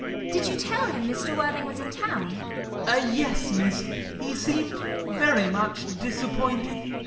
Did you tell him Mr. Worthing was in town? MERRIMAN. Yes, Miss. He seemed very much disappointed.